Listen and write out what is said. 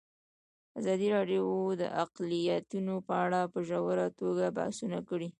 ازادي راډیو د اقلیتونه په اړه په ژوره توګه بحثونه کړي.